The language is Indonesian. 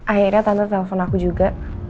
akhirnya tante telpon aku juga